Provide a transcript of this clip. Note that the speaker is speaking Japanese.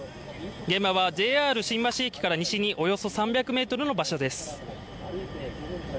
現場はＪＲ新橋駅から西に３００ｍの場所です。